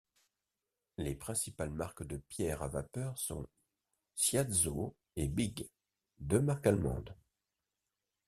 Les principales marques de pierres à vapeur sont Shiazo et Bigg, deux marques allemandes.